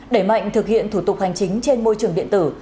đẩy mạnh thực hiện thủ tục hành chính trên môi trường điện tử